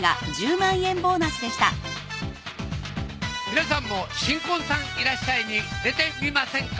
皆さんも新婚さんいらっしゃい！に出てみませんか？